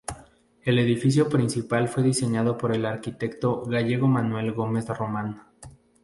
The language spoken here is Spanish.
El edificio principal fue diseñado por el arquitecto gallego Manuel Gómez Román.